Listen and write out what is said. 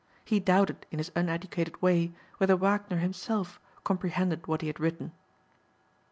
He doubted in his uneducated way whether Wagner himself comprehended what he had written."